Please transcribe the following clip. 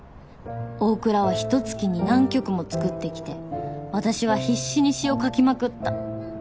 大倉はひと月に何曲も作ってきて私は必死に詩を書きまくった。